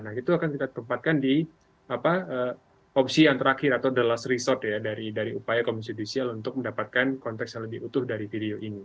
nah itu akan kita tempatkan di opsi yang terakhir atau the last resort ya dari upaya komisi judisial untuk mendapatkan konteks yang lebih utuh dari video ini